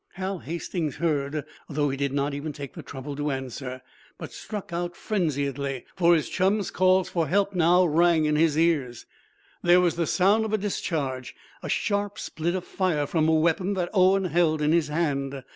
Hal Hastings heard, though he did not even take the trouble to answer, but struck out frenziedly, for his chum's calls for help now rang in his ears. There was the sound of a discharge, a sharp split of fire from a weapon that Owen held in his hand.